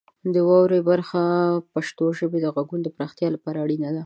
د واورئ برخه د پښتو ژبې د غږونو پراختیا لپاره اړینه ده.